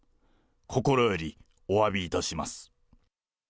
心よりおわびいたします。